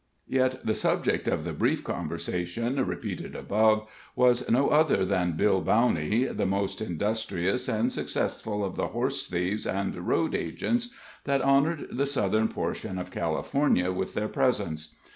Yet the subject of the brief conversation repeated above was no other than Bill Bowney, the most industrious and successful of the horse thieves and "road agents" that honored the southern portion of California with their presence.